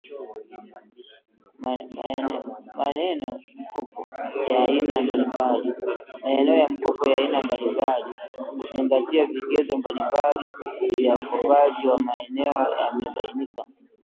manenomkopo ya aina mbalimbali kwa kuzingatia vigezo mnalimbali vya ukopaji wa maneno yamebainika